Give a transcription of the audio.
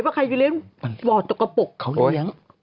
เขาเลี้ยง